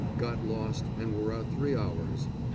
Got lost, and were out three hours.